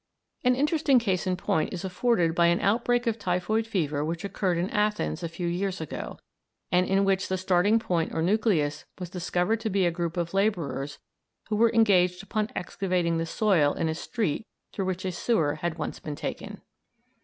An interesting case in point is afforded by an outbreak of typhoid fever which occurred in Athens a few years ago, and in which the starting point or nucleus was discovered to be a group of labourers who were engaged upon excavating the soil in a street through which a sewer had once been taken.